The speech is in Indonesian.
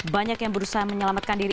banyak yang berusaha menyelamatkan diri